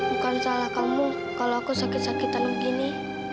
bukan salah kamu kalau aku sakit sakitan begini